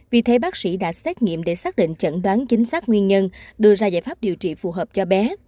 vì thế bác sĩ đã xét nghiệm để xác định chẩn đoán chính xác nguyên nhân đưa ra giải pháp điều trị phù hợp cho bé